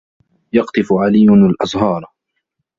يَقْطِفُ عَلِيٌّ الْأَزْهَارَ.